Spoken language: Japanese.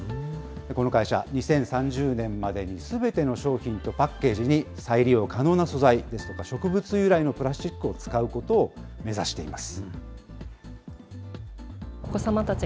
この会社、２０３０年までにすべての商品とパッケージに再利用可能な素材ですとか、植物由来のプラスチックを使うことを目指しています。